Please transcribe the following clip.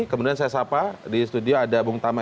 kemudian saya sapa di studio ada bung tama